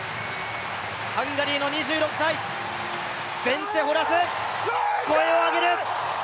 ハンガリーの２６歳、ベンツェ・ホラス、声を上げる。